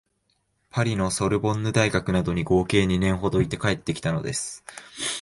パリのソルボンヌ大学などに合計二年ほどいて帰ってきたのです